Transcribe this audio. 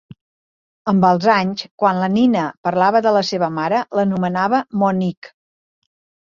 Amb els anys, quan la Nina parlava de la seva mare l'anomenava Monique.